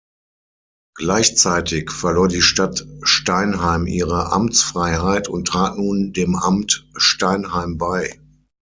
Gleichzeitig verlor die Stadt Steinheim ihre Amtsfreiheit und trat nun dem Amt Steinheim bei.